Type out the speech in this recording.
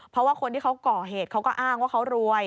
เพราะว่าคนที่เขาก่อเหตุเขาก็อ้างว่าเขารวย